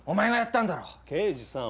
刑事さん。